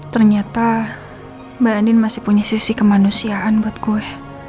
ternyata mbak andin masih punya sisi kemanusiaan buat gue